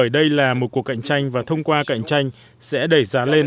đây là một cuộc cạnh tranh và thông qua cạnh tranh sẽ đẩy giá lên